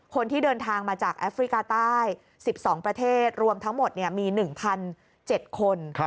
คนที่เดินทางมาจากแอฟริกาใต้๑๒ประเทศรวมทั้งหมดมี๑๗คน